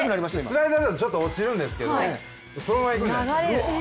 スライダーだとちょっと落ちるんですけど、そのままいく。